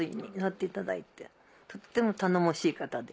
とっても頼もしい方で。